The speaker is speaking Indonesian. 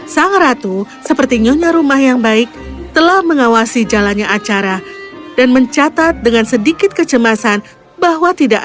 sang ratu seperti nyonya rumah yang baik telah mengawasi jalannya acara dan mencatat dengan sedikit kecemasan bahwa tidak ada